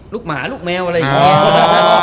ลูกหมาลูกแมวอะไรกัน